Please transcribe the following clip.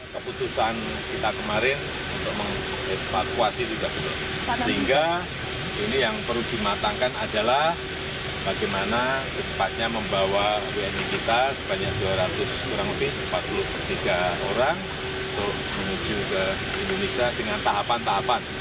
keputusan kita kemarin untuk mengevakuasi juga sehingga ini yang perlu dimatangkan adalah bagaimana secepatnya membawa wni kita sebanyak dua ratus kurang lebih empat puluh tiga orang untuk menuju ke indonesia dengan tahapan tahapan